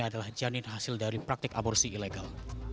adalah janin hasil dari praktik aborsi ilegal